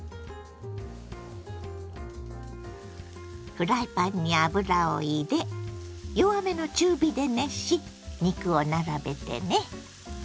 フライパンに油を入れ弱めの中火で熱し肉を並べてね。